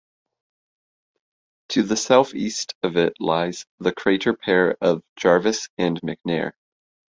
To the southeast of it lies the crater pair of Jarvis and McNair.